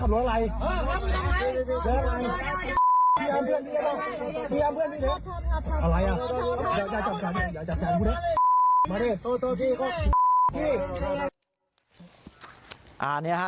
มาเลยโตโตดี้ก็